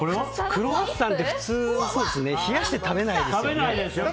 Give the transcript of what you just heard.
クロワッサンって普通は冷やして食べないですよね。